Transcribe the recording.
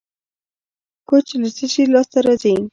کوچ له څه شي لاسته راځي؟